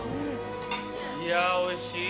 いやおいしい。